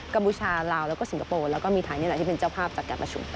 พูชาลาวแล้วก็สิงคโปร์แล้วก็มีไทยนี่แหละที่เป็นเจ้าภาพจากการประชุม